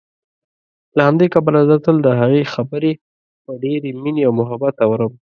له همدې کبله زه تل دهغې خبرې په ډېرې مينې او محبت اورم